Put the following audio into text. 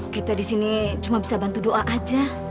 kita disini cuma bisa bantu doa aja